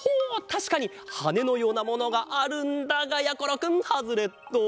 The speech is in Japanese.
たしかにはねのようなものがあるんだがやころくんハズレット！